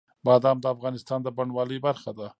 بادام د افغانستان د بڼوالۍ برخه ده.